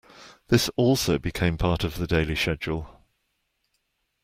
This also became part of the daily schedule.